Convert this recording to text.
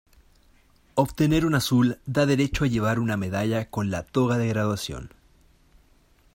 Obtener un Azul da derecho a llevar una medalla con la toga de graduación.